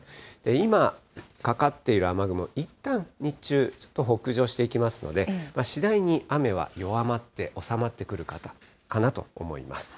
今かかっている雨雲、いったん日中、北上していきますので、次第に雨は弱まって、収まってくるかなと思います。